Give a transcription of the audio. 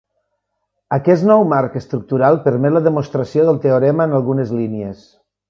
Aquest nou marc estructural permet la demostració del teorema en algunes línies.